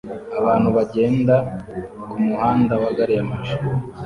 Abantu bagenda kumuhanda wa gari ya moshi